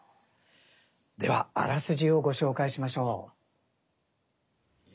ではあらすじをご紹介しましょう。